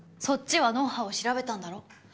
そっちは脳波を調べたんだろ？